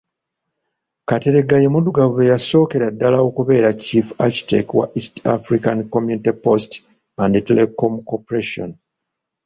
Kateregga ye muddugavu eyasookera ddala okubeera Chief Architect wa East Africa Community Post & Telecom Corporation.